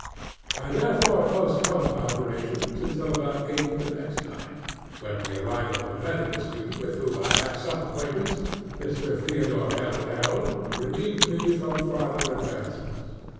I therefore postponed operations until about eight the next night, when the arrival of a medical student with whom I had some acquaintance, (Mr. Theodore LŌĆöl,) relieved me from farther embarrassment.